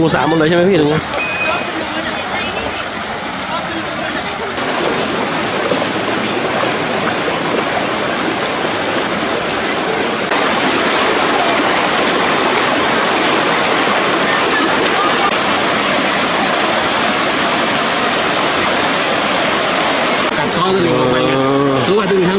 รุ่นสารมันเลยใช่ไหมเพราะง่ายดูนะ